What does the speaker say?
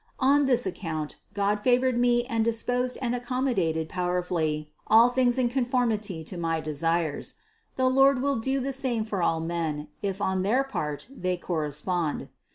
On this account God favored me and disposed and accommodated powerfully all things in conformity to my desires. The Lord will do the same for all men, if on their part they correspond.